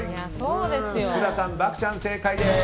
福田さん、漠ちゃん正解です。